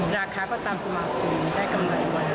ราคาก็ตามสมาคมได้กำไรไว้